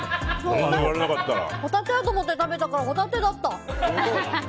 ホタテだと思って食べたからホタテだった！